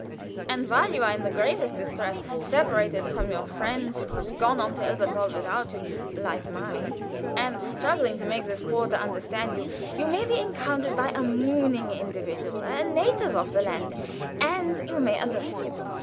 "And while you are in the greatest distress, separated from your friends, who have gone on to Elberthal (like mine), and struggling to make this porter understand you, you may be encountered by a mooning individual a native of the land and you may address him.